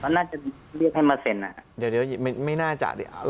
เขาน่าจะเรียกให้มาเซ็นอ่ะเดี๋ยวไม่น่าจะเราเอาจริง